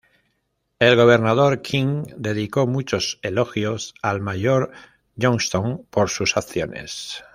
El Gobernador King dedicó muchos elogios al Mayor Johnston por sus acciones.